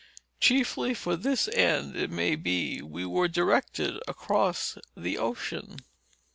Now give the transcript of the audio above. Chiefly for this end, it may be, we were directed across the ocean."